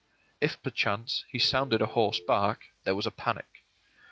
If perchance he sounded a hoarse bark, there was a panic.